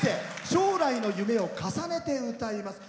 将来の夢を重ねて歌います。